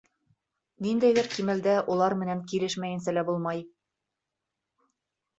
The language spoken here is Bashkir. Ниндәйҙер кимәлдә улар менән килешмәйенсә лә булмай.